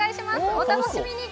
お楽しみに。